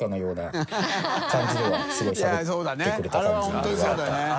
あれは本当にそうだよね。